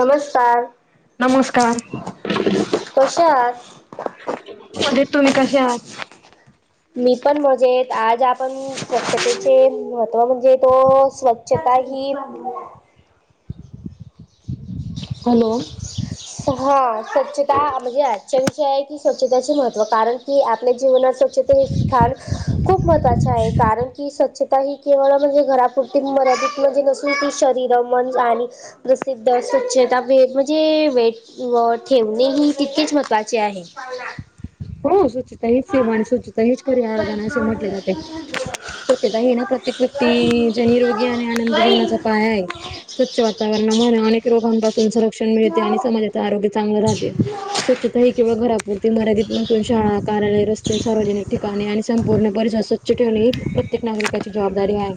नमस्कार नमस्कार कसे आहात? तुम्ही कसे आहात? मी पण मज्जेत आज आपण स्वच्छतेचे महत्त्व म्हणजे तो स्वच्छ स्वच्छता ही हॅलो हा स्वच्छता म्हणजे आजचा विषय जे आहे ती स्वच्छताचे महत्त्व कारण की आपल्या जीवनात स्वच्छता हे स्थान खूप महत्त्वाचे आहे कारण की स्वच्छ केवळ म्हणजे घरापुरती मर्यादित म्हणजे नसून ती शरीर, मन आणि प्रसिद्ध, स्वच्छता [inaudible] म्हणजे वे व ठेवणे ही तितकेच महत्त्वाचे आहे. हो सुचिता हेच सेवाणी सुचिता हेच पर्यावर्धन असे म्हटले जाते स्वच्छता हे ना प्रत्येक व्यक्ती जी निरोगी आणि आनंद जीवनाचा पाय आहे स्वच्छ वातावरणामुळे अनेक रोगांपासून संरक्षण मिळते आणि समाजात आरोग्य चांगलं राहतं स्वच्छता ही केवळ घरापुरती मर्यादित नसून शाळा कार्यालये, रस्ते, सार्वजनिक ठिकाणी आणि संपूर्ण परीसर स्वच्छ स्वच्छ ठेवणे प्रत्येक नागरिकाची जबाबदारी आहे.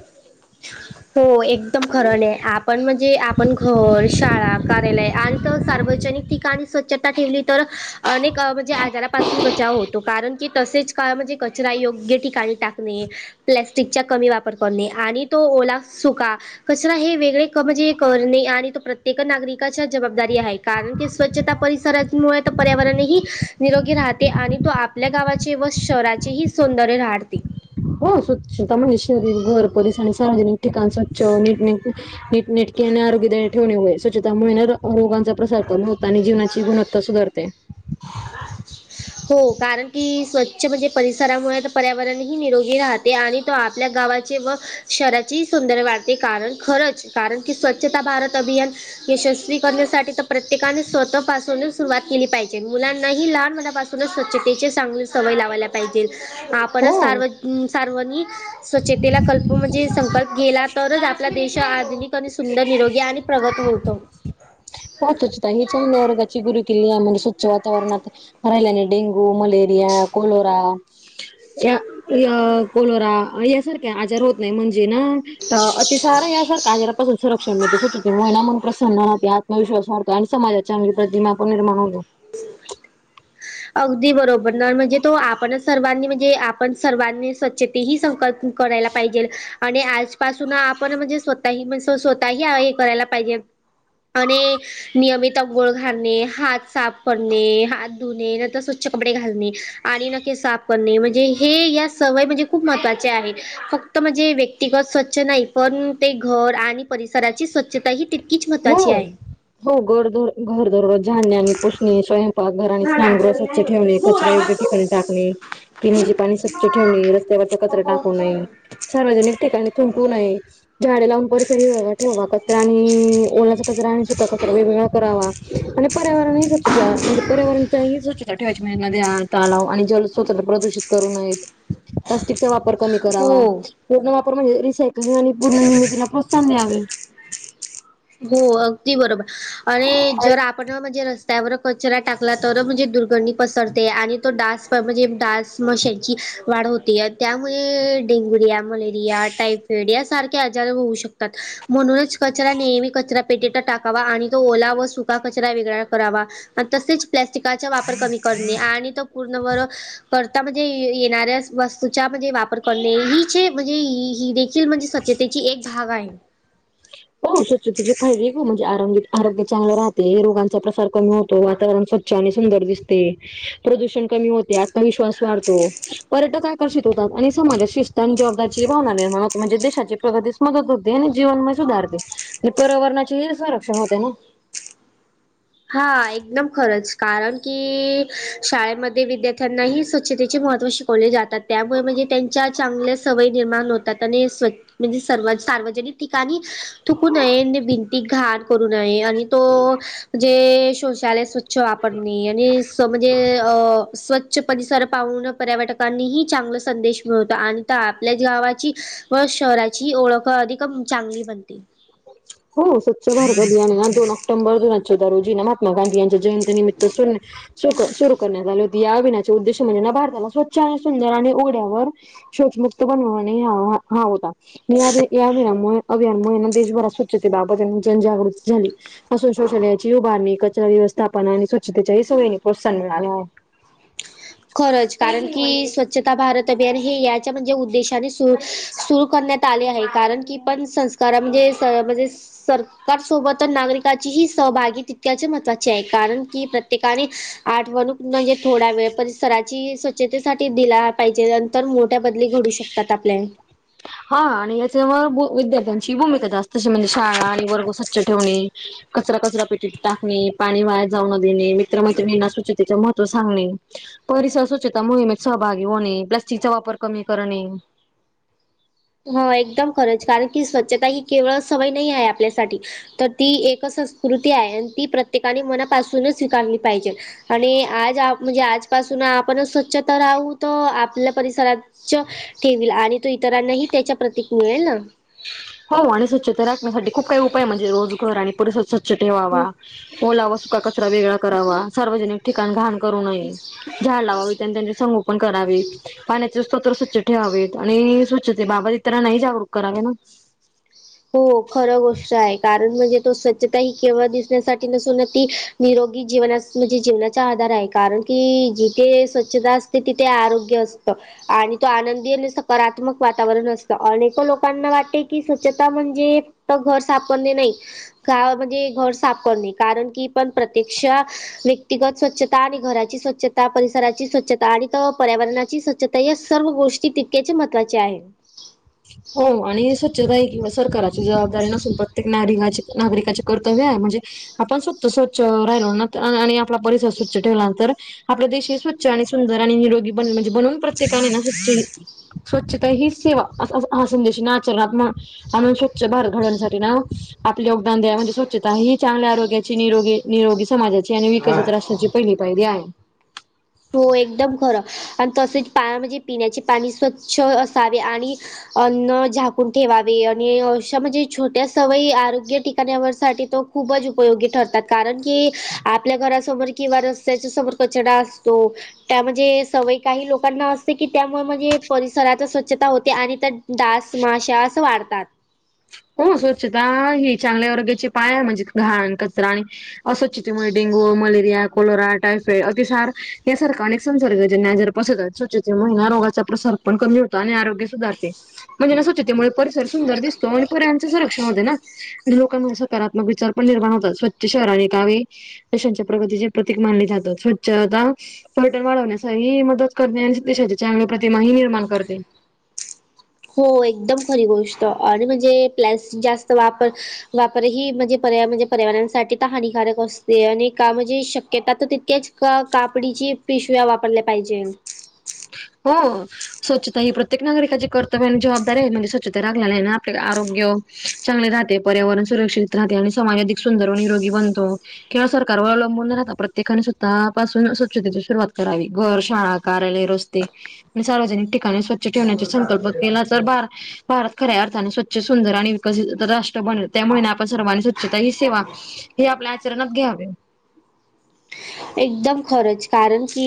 ए [inaudible] हो एकदम खरं नाही आपण म्हणजे आपण घर, शाळा, कार्यालय आणि सार्वजनिक ठिकाणी स्वच्छता ठेवली तर अनेक म्हणजे आजारापासून बचाव होतो कारण कि तसेच म्हणजे कचरा योग्य ठिकाणी टाकणे प्लास्टिक कमी वापर करणे. तो ओला, सुका कचरा हे वेगळे म्हणजे करणे आणि तो प्रत्येक नागरिक जबाबदारी आहे कारण की स्वच्छता परिसरमुळे पर्यावरणही निरोगी राहते आणि तो आपल्या गावाचे व शहराचे हि सौंदर्य राहते. हो स्वच्छता म्हणजे शरीर, घर, पोलिस आणि सार्वजनिक ठिकाण स्वच्छट नीट नटक आणि आरोग्यदायी ठेवणे स्वच्छतामुळे रोगांचा प्रसार कर होत आणि जीवनाची गुणवत्ता सुधारते. हो कारण की स्वच्छ म्हणजे परिसरामुळे तर पर्यावरणही निरोगी राहते आणि गावाचे व शहराची सुंदर कारण खरंच कारण की स्वच्छता भारत अभियान यशस्वी करण्यासाठी तर प्रत्येकाने स्वतः पासून च सुरुवात केली पाहिजे. मुलांनाही लहान पनापासूनच स्वच्छतेचे चांगली सवय लावायला पाहिजे. हो. आपणच सार सार्वांनी स्वच्छतेला कल्प म्हणजे संकल्प गेला तरच आपला देश आधुनिक सुंदर निरोगी आणि प्रगत होतो. हो ताई. हीच वर्गाची गुरुकिल्ली आहे. म्हण स्वच्छ वातावरणात राहिले. Dengue, malaria, cholera. या या कोलोरा यासारख्या आजार होत नाही म्हणजे ना. अतिसारा या सारख्या आजारापासून सुरक्षण मिळतं स्वच्छतेमुळे ना मन प्रसन्न राहते. विश्वास वाढतो आणि समाजात चांगली प्रतिमा पण निर्माण होतो. [inaudible] अगदी बरोबर न म्हणजे तो आपणच सर्वांनी म्हणजे आपण सर्वांनी. स्वच्छते ही संकल्प करायला पाहिजे. आणि आजपासून आपण म्हणजे स्वतःही स्वतःही हे करायला पाहिजे. आणि नियमित अंघोळ घालणे, हात साफ करणे. हा. धुणे. स्वच्छ कपडे घालणे. आणि नखे साफ करणे. म्हणजे हे या सवय म्हणजे, खूप महत्त्वाचे आहे. फक्त म्हणजे व्यक्तिगत स्वच्छ नाही पण ते घर आणि परिसराची स्वच्छता ही तितकीच हो महत्वाची आहे. हो. घर दररोज-घर दररोज झाडणे, आणि पुसणे स्वयंपाक घर आणि ना स्नानगृह नाचवली स्वच्छ नाही ठेवने, कचरा योग्य ठिकाणी होती. टाकणे. पिण्याची पाणी स्वच्छ ठेवणे. रस्त्यावरचा हो कचरा टाकू पोहोचला नये. ना. सार्वजनिक ठिकाणी थुंकू नये, झाडे लावून परिसरी [unintelligible] ठेवा कचरा आणि ओलाचा कचरा आणि सुका कचरा वेगवेगळा करावा. आणि पर्यावरण स्वच्छता म्हणजे पर्यावरण स्वच्छता ठेवायची म्हणा नद्या तलाव आणि जल स्वतंत्र प्रदूषित करू नये. प्लास्टिकचा वापर कमी करावा. हो. पूर्ण वापर म्हणजे रिसायकलिंग आणि पूर्ण [unintelligible] प्रोत्साहन द्यावे. हो अगदी बरोबर. आणि जर आपण म्हणजे त्यावर कचरा टाकला तर म्हणजे दुर्गंधी पसरते आणि तो डास म्हणजे डास माशांची वाढ होते त्यामुळे डेंगरिया मलेरिया टायफाईड यासारख्या आजार होऊ शकतात. म्हणून च कचरा नेहमी कचरा पेटीतच टाकावा आणि तो ओला व सुका कचरा वेगळा करावा. तसेच प्लॅस्टिकाचा वापर कमी करणे आणि तो पूर्ण बर करता म्हणजे येणाऱ्या वस्तूचा म्हणजे वापर करणे. हिचे म्हणजे हीही देखील म्हणजे म्हणे त्याची एक भाग आहे. हो स्वचछतेची फायदे खूप म्हणजे आरोग्य चांगलं राहते. रोगां चा प्रसार कमी होतो. वातावरण स्वच्छ आणि सुंदर दिसते. प्रदूषण कमी होते. आत्मविश्वास वाढतो. पर्यटक आकर्षित होतात. आणि समाजा जबाबदाची भावना निर्माण होत. म्हणजे देशाची प्रगतीस मदत होते. आणि जीवन पण सुधार आणि पर्यावरणाचे ही संरक्षण होते ना. हा एकदम खरंच कारण की, शाळेमध्ये विद्यार्थ्यांनाही स्वच्छतेचे महत्त्वा शिकवले जातात. त्यामुळे म्हणजे त्यांच्या चांगल्या सवयी निर्माण होतात. त्यात आणि स्व म्हणजे सर्व सार्वजनिक ठिकाणी थुकू नये भिंती आणि घान करू नये आणि तो जे शौचालय असत स्वच्छ वापरणे, आणि स म्हणजे अ स्व स्वच्छ परिसर पाहून पर्यटकांनीही चांगला संदेश मिळवतो, आणि आपल्या गावाची व शहराची ओळख अधिक चांगली बनते. हो स्वच्छ भारत अभियान, ना दो ऑक्टोबर दोनहजार चौदा रोजी ना महात्मा गांधी यांच्या जयंती निमित्त सुरू करण्यात आले हो या आभिनाचे उद्देश म्हणणे ना, भारताला स्वच्छ आणि सुंदर, आणि ओढ्यावर. शोचमुक्त बनवणे हा होता. या अभियानमुळे ना देशभरात. त्यांचे बाबत त्यां जनजागृती झाली. असं शोषलयाची उभारणी कचरा व्यवस्थापन आणि स्वच्छतेच्या सवयी प्रोत्साहन मिळालं हो. खरंच कारण की, स्वच्छता भारत अभियान हे याच्या म्हणजे उद्देशाने सुरू सुरू करण्यात आले आहे. कारण की पण संस्कार म्हणजे म्हणजे सरकार सोबतच नागरिकांची ही सहभागी ति त्याचे महत्वाचे आहे. कारण की प्रत्येकाने आठवणूक म्हणजे थोडा वेळापण स्वच्छतेसाठी दिला पाहिजे, नंतर मोठ्या बदली घडू शकतात आपले. हा आणि याच्यावर विद्यार्थ्यांची भूमिका जास्तशी, म्हणजे शाळा आणि वर्ग स्वच्छ ठेवणे, कचरा कचरा पेटीत टाकणे, पाणी वाया जाऊ न देणे, मित्रमैत्रिणींना स्वच्छतेचे महत्त्व सांगणे. परिसर स्वच्छता मोहिमेत सहभागी होणे, प्लास्टिकचा वापर कमी करणे. होय एकदम खरंच, कारण की स्वच्छता ही केवळ सवय नाही आहे आपल्यासाठी. तर ती एक संस्कृती आहे, आणि ती प्रत्येकाने मनापासूनच स्वीकारली पाहिजे. आणि आज म्हणजे, आजपासून आपण स्वच्छता राहू, तर आपल्या परिसरात च्छ ठेवील आणि, तो इतरांनाही त्याच्या प्रतीक मिळेलन. हो आणि स्वच्छता राखण्यासाठी खूप काही उपाय, म्हणजे रोज घर आणि परिसर स्वच्छ ठेवावा. हम्म, ओला व सुका कचरा वेगळा करावा, सार्वजनिक ठिकाण घान करू नये. ठीक. झाड लावावीत, आणि त्यांचे संगोपन करावे. पाण्याचे स्तोत्र स्वच्छ ठेवावेत, आणि स्वच्छते बाबा इतरांनाही जागरूक करावे ना. हो, खर गोष्ट आहे. कारण म्हणजे, तो स्वच्छता ही केवळ दिसण्यासाठी नसून ती, निरोगी जीवनास म्हणजे जीवनाचा आधार आहे. कारण की जिथे स्वच्छतास, ते तिथे आरोग्य असतं. आणि तो आनंदी आणि सकारात्मक वातावरण असतं. अनेक लोकांना वाटते की, स स्वच्छता म्हणजे, फक्तं घर साप करणे नयी. का म्हणजे घर सापडणे, कारण की पण प्रतिक्षा. व्यक्तिगत स्वच्छता, आणि घराची स्वच्छता, परिसराची स्वच्छता आणि पर्यावरणाची स्व ता या सर्व गोष्टी तितक्याचे महत्वाच्या आहेत. हो, आणि स्वच्छता हा किंवा सरकारची जबाबदारी नसून प्रत्येक नारिकाची नागरिकाची कर्तव्य आहे. म्हणजे, आपण स्वतः स्वच्छ राहिलो ना तर, आणि आपला परिसर स्वच्छ ठेवलां तर, आपलं देश हे स्वच्छ आणि सुंदर, आणि निरोगी बन म्हणजे बनून. प्रत्येकाने ना‌ स्वच्छ ही, स्वच्छता ही सेवा हा संदेश आचरणात मा आणून स्वच्छ भारत घडवण्यासाठी ना, आपले योगदान द्या, म्हणजे स्वच्छता ही चांगल्या आरोग्याची निरोगी. निरोगी समाजाची, आणि विकसित राष्ट्राची पहिली पायरी आहे. हो एकदम खरं, आणि तसेच पा म्हणजे पिण्याचे पाणी स्वच्छ असावे. आणि, अन्न झाकून ठेवावे, आणि अशा म्हणजे छोट्या सवयी, आरोग्य ठिकाण्यावर साठी तो खूपच उपयोगी ठरतात. कारण की आपल्या घरासमोर, किंवा रस्त्याच्या समोर कचडास. तो, त्या म्हणजे सवय काही लोकांना असते की, त्यामुळे म्हणजे परिसरात स्वच्छता होते आणि त्यात. डास माशा असं वाढतात. हो स्वच्छता ही चांगल्या आरोग्याचे पाया आहे. म्हणजे घाण कचरा आणि, अस्वच्छतेमुळे डेंगू मलेरिया. कोलोरा, टायफॉईड, अतिसार यासारखा अनेक संसर्गजन्य आजार पसरतात, स्वच्छतेचा आरोग्याचा प्रसार. पण कमी होतो आणि आरोग्य सुधारते म्हणजे ना स्वच्छतेमुळे परिसर सुंदर दिसतो आणि त्यांची सुरक्षा होते ना लोकां सकारात्मक पण निर्माण होतात स्वच्छ शहर आणि गावे पैशांच्या प्रगतीचे प्रतीक मानले जात स्वच्छता पर्यटन वाढवण्यासही मदत करते आणि प्रतिमाही निर्माण करते हो एकदम खरी गोष्ट आणि म्हणजे प्लॅस्टिक जास्त वापर वापर ही म्हणजे पर्या म्हणजे पर्यावरणासाठी तर हानिकारक असते आणि का म्हणजे शक्यता तर तितकेच कापडीची पिशव्या वापरल्या पाहिजेल हा स्वच्छता ही प्रत्येक नागरिकाची कर्तव्य आणि जबाबदारी आहे म्हणजे स्वच्छता रागले नाही आहे ना आपले आरोग्य चांगले राहते पर्यावरण सुरक्षित राहते आणि समाज सुंदर व निरोगी बनतो केवळ सरकारवर अवलंबून राहता प्रत्येकाने स्वतःपासून स्वच्छतेची सुरुवात करावी घर, शाळा, कार्यालय, रस्ते सार्वजनिक ठिकाणी स्वच्छ ठेवण्या संकल्प केला तर भार भारत खऱ्या अर्थाने स्वच्छ सुंदर आणि विकसित राष्ट्र बनेल त्यामुळे आपण सर्वांनी स्वच्छता ही सेवा हेआपल्या आचरणात घ्यावे एकदम खरच कारण की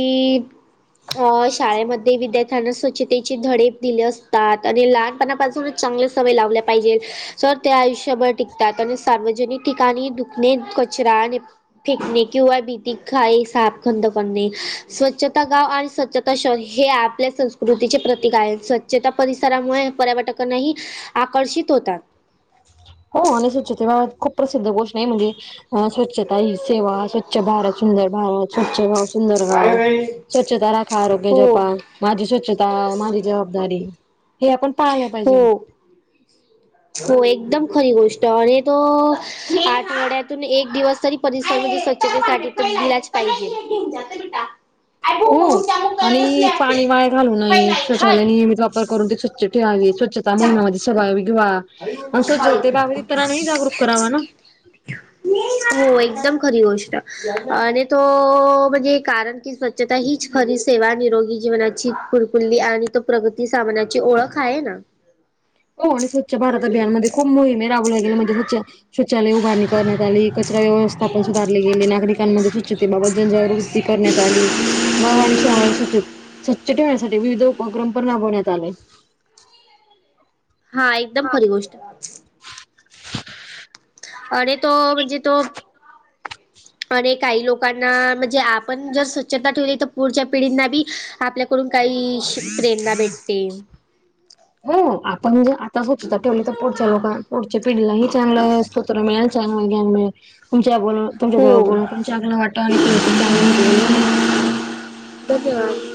अ शाळेमध्ये विद्या स्वच्छतेची धडे दिले असतात आणि लहानपणापासूनच चांगले सवय लावल्या पाहिजे तर ते आयुष्यभर टिकतात आणि सार्वजनिक ठिकाणी दुखणे कचरा आणि फेकणे किवा बी तख आहे साप खंद पणे स्वच्छता गाव आणि स्वच्छता शहर हे आपल्या संस् संस्कृतीचे प्रतीक आहेत स्वच्छता परिसरामुळे पर्यवटकांनाही आकर्षित होतात हो आणि स्वच्छते खूप प्रसिद्ध गोष्ट आहे म्हणजे स्वच्छता ही सेवा स्वच्छ भारत सुंदर भारत स्वच्छ गाव सुंदर काय गाव रे? स्वच्छता राखा आरोग्य हो जपा माझी स्वच्छता माझी जबाबदारी हे आपण पाळायला हो, पाहिजे हो एकदम खरी गोष्ट आणि तो आठवड्यातून एक दिवस तरी परिसर म स्वच्छतेसाठी त्या दिलाच पाहिजे [inaudible] आय भूक हो पाहून त्यामुक करत आणि बसले आपण पाणी वाया घालू नये पहिला स्वच्छालय नियमित वापर करून ते स्वच्छ ठेवावे स्व स्वच्छता जा महिनायामध्ये सभाघवा आणि स्वच्छतेला तरांही जागरूक करावा ना हो एकदम खरी गोष्ट आणि तो म्हणजे कारण कि स्व स्वच्छता हीच खरी सेवा निरोगी जीवनाची फुलकुडली आणि तो प्रगती सामानाची ओळख आहे ना हो आणि स्वच्छ भारत अभियानमध्ये खूप मोहिम रा गे म्हणे स्व शौचालय उभारणी करण्यात आली कचरा व्यवस्थापन सुधारले गेले नागरिकांमध्ये बाबत जनजागृती करण्यात आली गाव आणि शहर आणि स्वछ, स्वच्छ ठेवण्यासाठी विविध उपक्रम पण राबवण्यात आले हा एकदम खरी गोष्ट आहे आणि तो म्हणजे तो आणि काही लोकांना म्हणजे जर स्वच्छता तर पुढच्या पिढींना बी आपल्याकडून काही प्रेरणा भेटते हो आपण जर आता स्वतछता ठेवली तर पुढच्या लोकां पुढच्या पिढीलाही चांगलं स्तोत्र मिळेल [inaudible] तुमच्या बोल तुमच्या जेव्हा हो बोलून चांगल वाटतं आणि तुम्ही खूप चांगलं वाट धन्यवाद धन्यवाद